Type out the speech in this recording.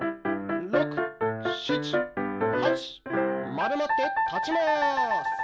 まるまってたちます。